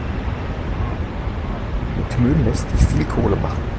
Mit Müll lässt sich viel Kohle machen.